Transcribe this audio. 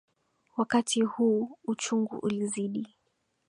Wakati huu, uchungu ulizidi.